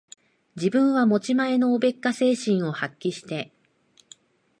自分は持ち前のおべっか精神を発揮して、